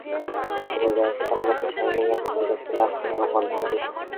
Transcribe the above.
প্রাচীরের গায়ে শেফালি-গাছের সারি রহিয়াছে, তলদেশ ফুলে আচ্ছন্ন এবং গন্ধে আমোদিত।